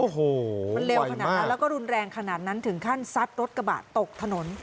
โอ้โหมันเร็วขนาดนั้นแล้วก็รุนแรงขนาดนั้นถึงขั้นซัดรถกระบะตกถนน